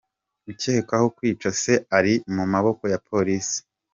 Ukekwaho kwica Se ari mu maboko ya Polisi